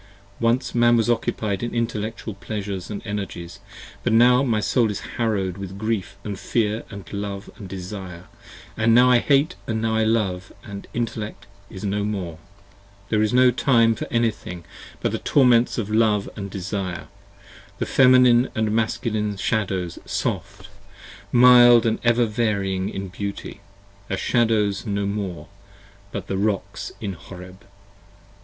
65 Once Man was occupied in intellectual pleasures & energies, But now my Soul is harrow'd with grief & fear & love & desire, And now I hate & now I love & Intellect is no more: There is no time for any thing but the torments of love & desire: The Feminine & Masculine Shadows soft, mild & ever varying 70 In beauty, are Shadows now no more, but Rocks in Horeb.